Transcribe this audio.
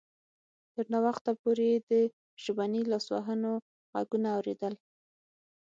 تر ناوخته پورې یې د ژبني لاسوهنو غږونه اوریدل